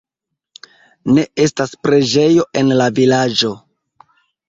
Ne estas preĝejo en la vilaĝo.